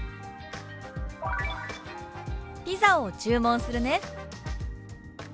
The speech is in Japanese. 「ピザを注文するね」。